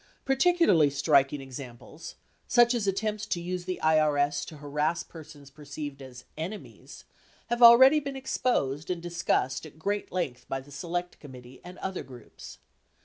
Particularly striking ex amples, such as attempts to use the IRS to harass persons perceived as "enemies," have already been exposed and discussed at great length by the Select Committee and other groups.